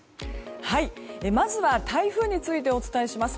まずは台風についてお伝えします。